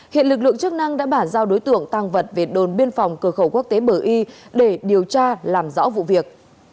hiện lực lượng chức năng đã bản giao đối tượng tăng vật về đồn biên phòng cửa khẩu quốc tế bờ y để điều tra làm rõ vụ việc